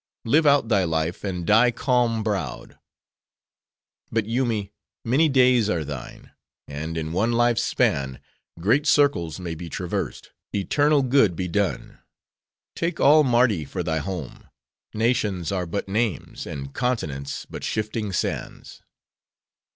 Live out thy life; and die, calm browed. "But Yoomy! many days are thine. And in one life's span, great circles may be traversed, eternal good be done. Take all Mardi for thy home. Nations are but names; and continents but shifting sands.